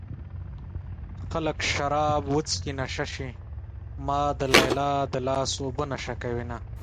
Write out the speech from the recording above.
خلک شراب وڅښي نشه شي ما د ليلا د لاس اوبه نشه کوينه